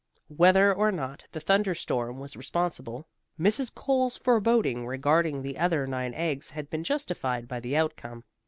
Whether or not the thunder storm was responsible, Mrs. Cole's foreboding regarding the other nine eggs had been justified by the outcome.